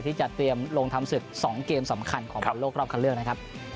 ที่จะเตรียมลงทำศึก๒เกมสำคัญของประโลกรอบคันเรื่อง